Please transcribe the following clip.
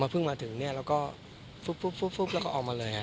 มาเพิ่งมาถึงเนี่ยแล้วก็ฟุ๊บแล้วก็ออกมาเลยครับ